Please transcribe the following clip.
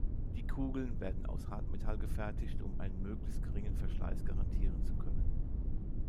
Die Kugeln werden aus Hartmetall gefertigt, um einen möglichst geringen Verschleiß garantieren zu können.